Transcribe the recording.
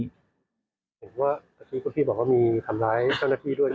เห็นว่าพี่บอกว่ามีคำลายเจ้าหน้าที่ด้วย